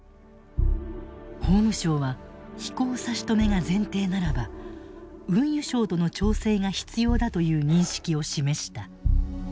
法務省は飛行差し止めが前提ならば運輸省との調整が必要だという認識を示した。